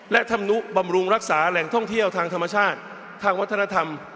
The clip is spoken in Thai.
และธรรมนุบำรุงรักษาแหล่งท่องเที่ยวทางธรรมชาติทางวัฒนธรรม